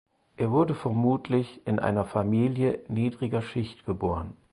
Er wurde vermutlich in eine Familie niedriger Schicht geboren.